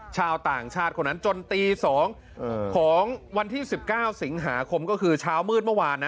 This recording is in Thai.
ชาวต่างชาติคนนั้นจนตี๒ของวันที่๑๙สิงหาคมก็คือเช้ามืดเมื่อวานนะ